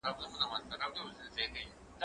زه ښوونځی ته تللی دی؟